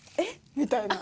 みたいな。